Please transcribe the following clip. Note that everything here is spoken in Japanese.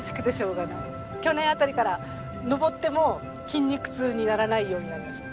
去年あたりから登っても筋肉痛にならないようになりました。